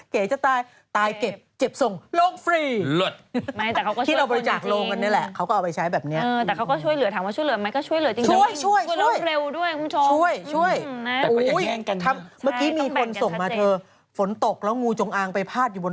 เขาเรียกคำขวัญของสมาคมเก๋นะบ๊วยบ๊วย